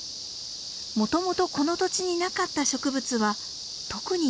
もともとこの土地になかった植物は特に念入りに抜き取ります。